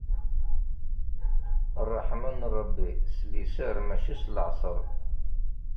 Ṛṛeḥma n Ṛebbi s liser mačči s laɛṣeṛ.